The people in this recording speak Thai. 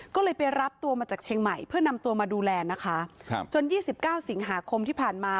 ก็เลยไปรับตัวมาจากเชียงใหม่เพื่อนำตัวมาดูแลนะคะครับจนยี่สิบเก้าสิงหาคมที่ผ่านมา